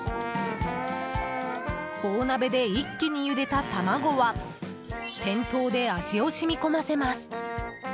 大鍋で一気にゆでた卵は店頭で味を染み込ませます。